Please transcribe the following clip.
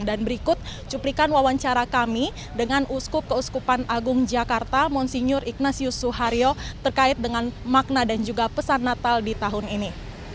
dan berikut cuplikan wawancara kami dengan uskup keuskupan agung jakarta monsignor ignatius suhario terkait dengan makna dan juga pesan natal di tahun ini